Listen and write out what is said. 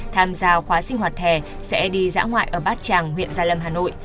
tham gia khóa sinh hoạt hè sẽ đi dã ngoại ở bát tràng huyện gia lâm hà nội